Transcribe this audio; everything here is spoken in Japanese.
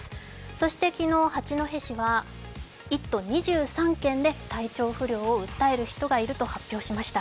そして昨日、八戸市は１都２３県で体調不良を訴える人がいると発表しました。